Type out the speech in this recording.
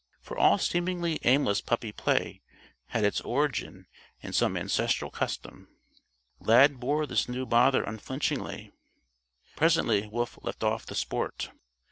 For all seemingly aimless puppy play had its origin in some ancestral custom. Lad bore this new bother unflinchingly. Presently Wolf left off the sport.